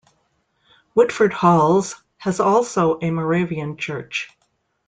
Woodford Halse has also a Moravian Church.